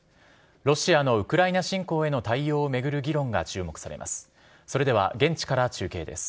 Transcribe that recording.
ロシアのウクライナ侵攻への対応を巡る議論が注目されます。